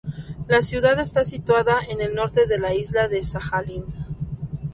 La ciudad está situada en el norte de la isla de Sajalín.